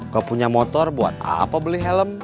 kau punya motor buat apa beli helm